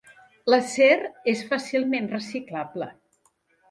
L'acer és fàcilment reciclable.